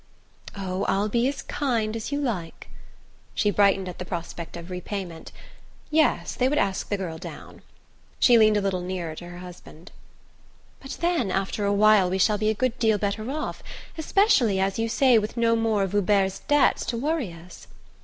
"Oh, I'll be as kind as you like!" She brightened at the prospect of repayment. Yes, they would ask the girl down... She leaned a little nearer to her husband. "But then after a while we shall be a good deal better off especially, as you say, with no more of Hubert's debts to worry us."